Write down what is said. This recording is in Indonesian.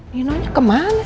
loh nino nya kemana sih